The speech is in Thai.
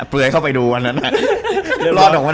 มันจะฟังเรารู้เรื่องไหน